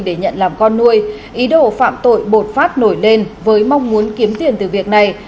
để nhận làm con nuôi ý đồ phạm tội bột phát nổi lên với mong muốn kiếm tiền từ việc này